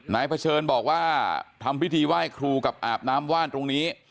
เผชิญบอกว่าทำพิธีไหว้ครูกับอาบน้ำว่านตรงนี้